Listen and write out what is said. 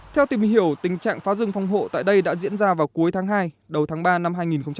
theo tìm hiểu tình trạng phá rừng phòng hộ tại đây đã diễn ra vào cuối tháng hai đầu tháng ba năm hai nghìn hai mươi